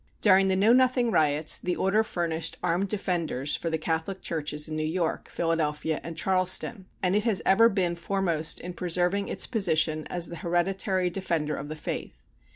During the Know Nothing riots, the Order furnished armed defenders for the Catholic churches in New York, Philadelphia, and Charleston, and it has ever been foremost in preserving its position as the hereditary defender of the faith.